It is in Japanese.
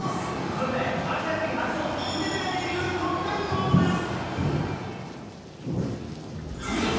これでアジア人初のプレミアリーグ得点王です！